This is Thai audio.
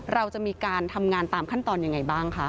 เราจะมีการทำงานตามขั้นตอนยังไงบ้างคะ